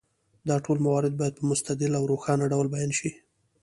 دا ټول موارد باید په مستدل او روښانه ډول بیان شي.